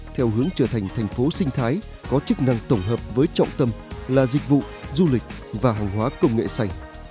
theo hướng trở thành thành phố sinh thái có chức năng tổng hợp với trọng tâm là dịch vụ du lịch và hàng hóa công nghệ sạch